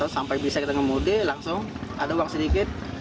sampai bisa kita ngemudi langsung ada uang sedikit